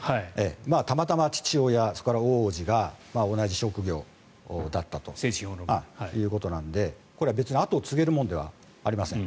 たまたまた父親、大叔父が同じ職業だったということなのでこれは別に後を継げるものではありません。